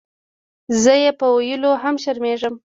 زۀ یې پۀ ویلو هم شرمېږم.